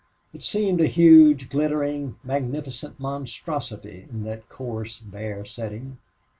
It seemed a huge, glittering, magnificent monstrosity in that coarse, bare setting.